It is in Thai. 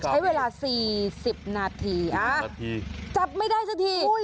ใช้เวลา๔๐นาทีจับไม่ได้สักที